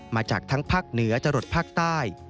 มาจากทั้งภาคเหนือจรดภาคใต้